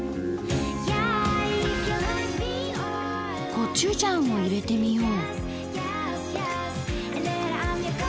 コチュジャンを入れてみよう。